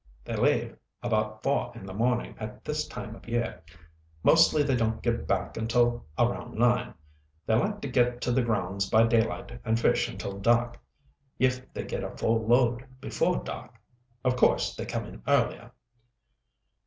"They leave about four in the morning at this time of year. Mostly they don't get back until around nine. They like to get to the grounds by daylight and fish until dark. If they get a full load before dark, of course they come in earlier."